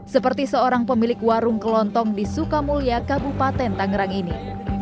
seperti seorang pemilik warung kelontong di sukamulya kabupaten tangerang ini